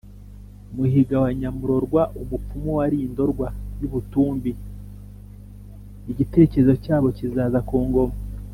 muhiga wa nyamurorwa, umupfumu wari indorwa y’ubutumbi. igitecyerezo cyabo kizaza ku ngoma